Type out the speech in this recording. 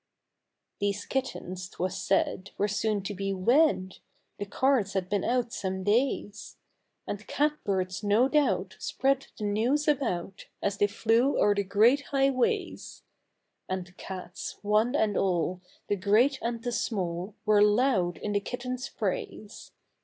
These kittens twas said Were soon to be wed, The cards had been out some days, And cat birds no doubt Spread the news about As they flew o'er the great highways; And cats, one and all, The ereat and the small, Were loud in the kittens' praise.